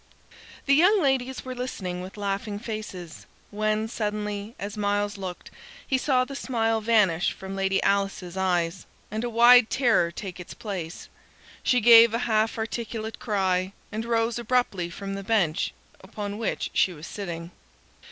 The young ladies were listening with laughing faces, when suddenly, as Myles looked, he saw the smile vanish from Lady Alice's eyes and a wide terror take its place. She gave a half articulate cry, and rose abruptly from the bench upon which she was sitting.